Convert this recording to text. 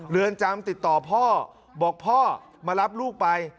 เรือนจำติดต่อพ่อบอกพ่อมารับลูกไป